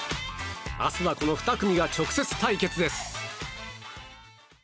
明日は、この２組が直接対決です。